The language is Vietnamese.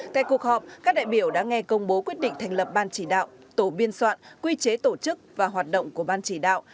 tại cuộc họp các đại biểu đã nghe công bố quyết định thành lập ban chỉ đạo tổ biên soạn quy chế tổ chức và hoạt động của ban chỉ đạo